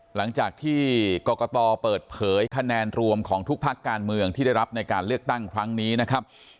หลังจากที่กรกตเปิดเผยคะแนนรวมของทุกภาคการเมืองที่ได้รับในการเลือกตั้งครั้งนี้นะครับ